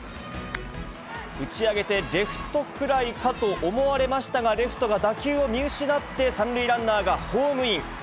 打ち上げてレフトフライかと思われましたが、レフトが打球を見失って、３塁ランナーがホームイン。